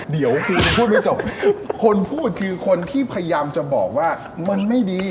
เดี๋ยวคุณพูดไม่จบคนพูดคือคนที่พยายามจะบอกว่ามันไม่ดี